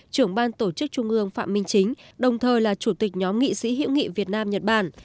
trưởng ban tổ chức trung ương phạm minh chính đồng thời là chủ tịch nhóm nghị sĩ hữu nghị việt nam nhật bản